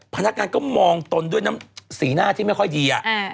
พนักงานก็มองตนด้วยน้ำสีหน้าที่ไม่ค่อยดี